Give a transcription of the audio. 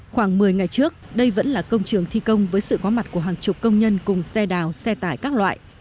khoảng một mươi ngày trước đây vẫn là công trường thi công với sự có mặt của hàng chục công nhân cùng xe đào xe tải các loại